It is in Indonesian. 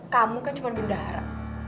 kamu kan cuma bunda haram